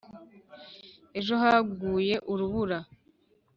ejo haguye urubura?